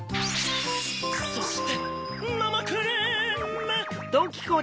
そしてなまクリーム！